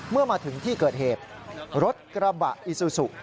เมื่อมาถึงที่เกิดเหตุรถกระบะอิซูซู